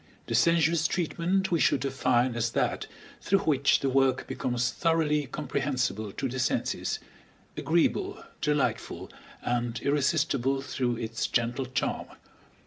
The sensuous treatment we should define as that through which the work becomes thoroughly comprehensible to the senses, agreeable, delightful, and irresistible through its gentle charm.